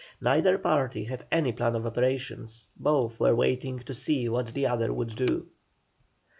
Neither party had any plan of operations, both were waiting to see what the other would do.